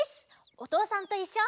「おとうさんといっしょ」